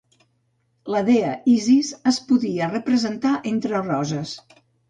La dea Isis es podia representar entre roses.